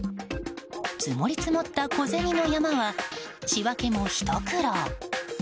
積もり積もった小銭の山は仕分けもひと苦労。